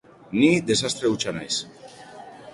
Ni desastre hutsa naiz.